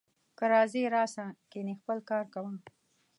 که راځې راسه، کنې خپل کار کوه